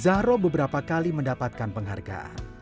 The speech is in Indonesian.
zahro beberapa kali mendapatkan penghargaan